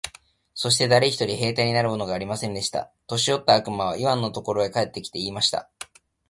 そして誰一人兵隊になるものがありませんでした。年よった悪魔はイワンのところへ帰って来て、言いました。